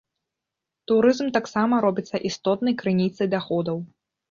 Турызм таксама робіцца істотнай крыніцай даходаў.